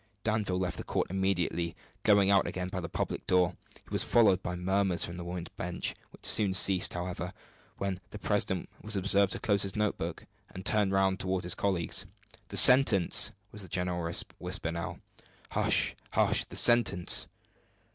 Danville left the court immediately, going out again by the public door. He was followed by murmurs from the women's benches, which soon ceased, however, when the president was observed to close his note book, and turn round toward his colleagues. "The sentence!" was the general whisper now. "Hush, hush the sentence!"